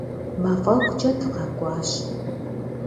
Мафӏэгукӏэ дыкъакӏуащ.